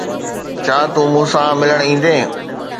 ڇا تون مون سان ملڻ ايندين؟